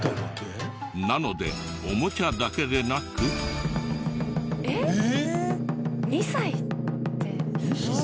なのでおもちゃだけでなく。えっ？２歳って。